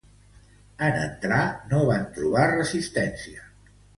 En entrar, no van trobar resistència.